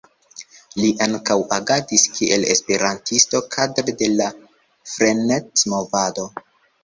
Li ankaŭ agadis kiel esperantisto kadre de la Frenet-movado.